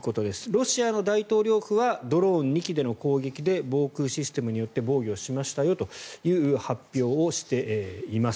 ロシアの大統領府はドローン２機での攻撃で防空システムによって防御しましたよという発表をしています。